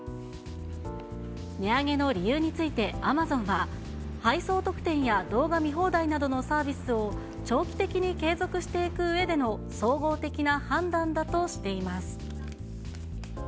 値上げの理由についてアマゾンは、配送特典や動画見放題などのサービスを長期的に継続していくうえでの総合的な判断だとしています。